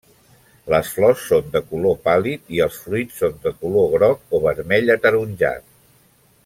Les flors són de color pàl·lid i els fruits són de color groc o vermell-ataronjat.